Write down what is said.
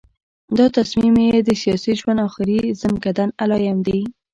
دا تصمیم یې د سیاسي ژوند د آخري ځنکدن علایم دي.